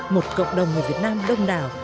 một cộng đồng người việt nam đông đảo